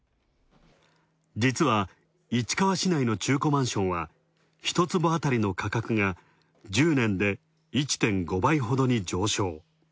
実は市川市内の中古マンションは一坪当たりの価格が１０年で１．５倍ほどに上昇。